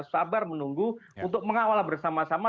sabar menunggu untuk mengawal bersama sama